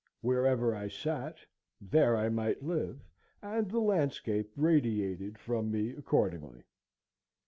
Wherever I sat, there I might live, and the landscape radiated from me accordingly.